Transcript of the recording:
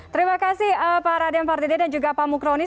terima kasih pak raden pardede dan juga pak mukroni